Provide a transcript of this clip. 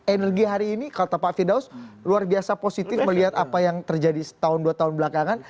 energi hari ini kalau tak pak fidaus luar biasa positif melihat apa yang terjadi tahun dua tahun belakangan